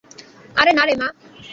আরে না রে, মা।